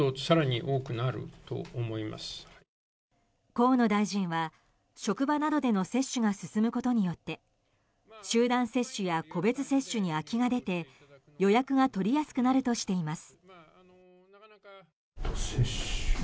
河野大臣は、職場などでの接種が進むことによって集団接種や個別接種に空きが出て予約が取りやすくなるとしています。